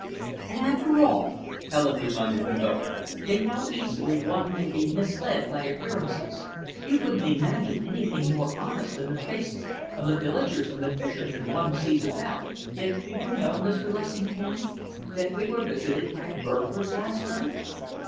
"And after all," Helen reminded them both, "think how easily one may be misled by appearances. You couldn't imagine anything more honest than the faces of the villagers and the fishermen one sees about, yet do you know, Mr. Lessingham, that we were visited by burglars last night?"